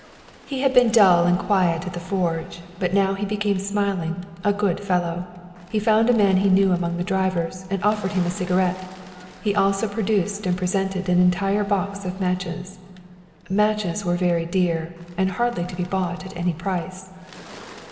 He had been dull and quiet at the forge, but now he became smiling, a good fellow. He found a man he knew among the drivers and offered him a cigarette. He also produced and presented an entire box of matches. Matches were very dear, and hardly to be bought at any price.